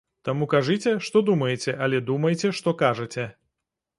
Таму кажыце, што думаеце, але думайце, што кажаце!